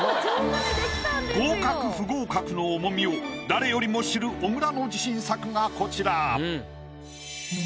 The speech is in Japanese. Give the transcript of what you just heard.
合格不合格の重みを誰よりも知る小倉の自信作がこちら。